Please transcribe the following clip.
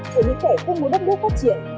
của những kẻ không muốn đất nước phát triển